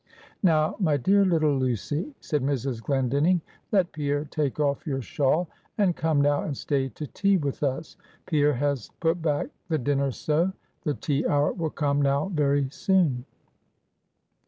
"Now, my dear little Lucy," said Mrs. Glendinning, "let Pierre take off your shawl, and come now and stay to tea with us. Pierre has put back the dinner so, the tea hour will come now very soon."